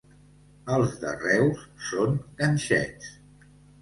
Els de Reus són ganxets.